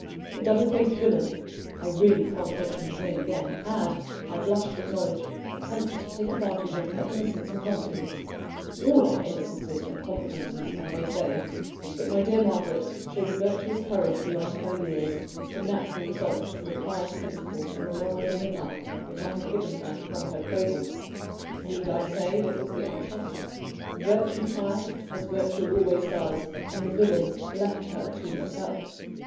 The double faced villain (I really can't mention his name again) had, I blush to acknowledge, attempted to take advantage of her innocence and confidence all our innocences and confidences, I may say but my dear Margaret showed a virtuous courage beyond her years, the natural result of the pious principles and the moral bringing up which I have given her from her cradle. Need I say what was the upshot? Virtue triumphed, as virtue always does, and the villain left her to herself.